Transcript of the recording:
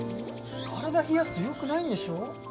体冷やすとよくないんでしょ？